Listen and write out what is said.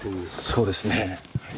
そうですね。